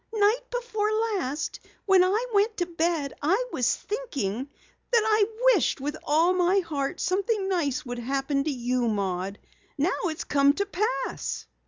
"Night before last when I went to bed I was thinking that I wished with all my heart something nice would happen to you, Maud. Now it's come to pass!"